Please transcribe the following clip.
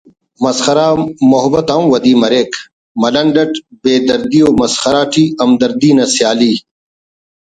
مسخرہ محبت آن ودی مریک ملنڈ اٹ بے دردی و مسخرہ ٹی ہمدردی نا سیالی